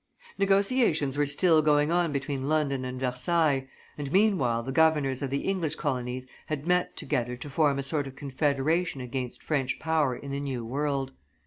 Negotiations were still going on between London and Versailles, and meanwhile the governors of the English colonies had met together to form a sort of confederation against French power in the new world.